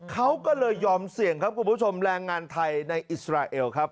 เขาก็เลยยอมเสี่ยงครับคุณผู้ชมแรงงานไทยในอิสราเอลครับ